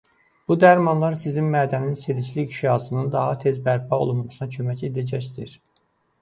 Bu dərmanlar Sizin mədənin selikli qişasının daha tez bərpa olunmasına kömək edəcəkdir.